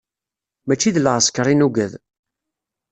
Mačči d lɛesker i nugad.